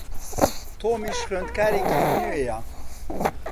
تۆمیش خوێندکارێکی نوێیە.